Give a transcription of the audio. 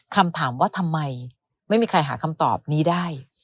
คำถามว่าทำไมไม่มีใครหาคำตอบนี้ได้